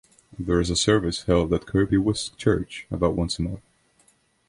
There is a service held at Kirby Wiske church about once a month.